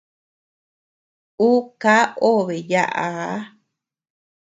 Ú ká obe yaʼaa.